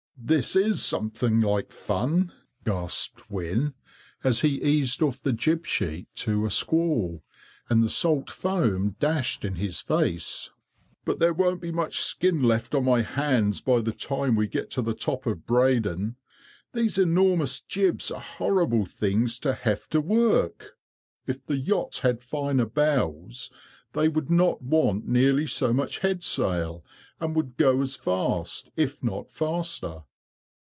"This is something like fun!" gasped Wynne, as he eased off the jib sheet to a squall, and the salt foam dashed in his face; "but there won't be much skin left on my hands by the time we get to the top of Breydon. These enormous jibs are horrible things to have to work. If the yachts had finer bows, they would not want nearly so much head sail, and would go as fast, if not faster."